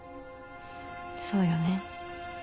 そうよね。